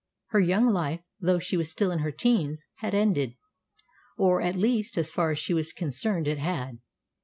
Her young life, though she was still in her teens, had ended; or, at least, as far as she was concerned it had.